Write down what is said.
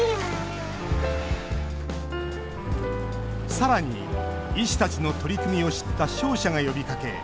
さらに、医師たちの取り組みを知った商社が呼びかけ